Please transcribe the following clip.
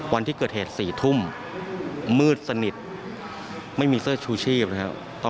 วันที่เกิดเหตุ๔ทุ่มมืดสนิทไม่มีเสื้อชูชีพนะครับ